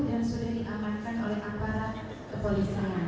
dan sudah diamankan oleh amparan kepolisian